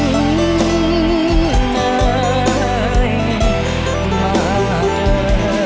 มาเจอฝันเนย